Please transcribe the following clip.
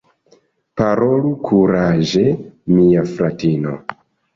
Parolu kuraĝe, mia fratino!